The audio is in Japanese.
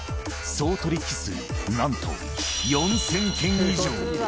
総取り引き数、なんと４０００件以上。